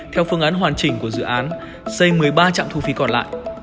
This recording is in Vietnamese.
theo phương án hoàn chỉnh của dự án xây một mươi ba trạm thu phí còn lại